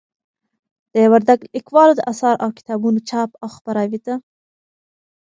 د وردگ ليكوالو د آثارو او كتابونو چاپ او خپراوي ته